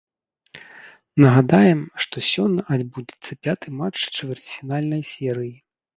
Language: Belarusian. Нагадаем, што сёння адбудзецца пяты матч чвэрцьфінальнай серыі.